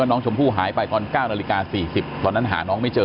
น้องชมพู่หายไปตอน๙นาฬิกา๔๐ตอนนั้นหาน้องไม่เจอ